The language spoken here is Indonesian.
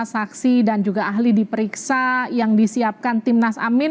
saksi dan juga ahli diperiksa yang disiapkan timnas amin